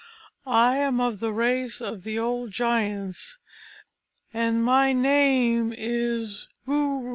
I am of the race of the old giants, and my name is Guru.